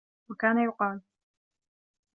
وَكَانَ يُقَالُ